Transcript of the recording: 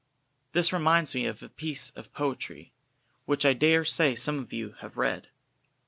This reminds me of a piece of poetry, which I dare say some of you have read.